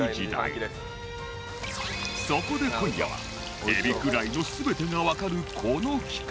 そこで今夜はエビフライの全てがわかるこの企画